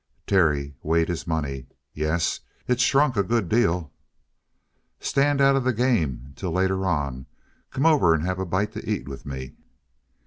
Terry weighed his money. "Yes, it's shrunk a good deal." "Stand out of the game till later on. Come over and have a bite to eat with me."